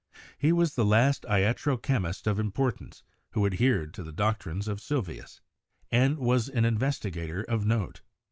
He was the last iatro chemist of importance who adhered to the doctrines of Sylvius, and was an investi 74 CHEMISTRY gator of note.